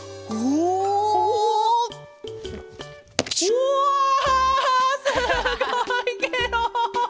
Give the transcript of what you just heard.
うわすごいケロ！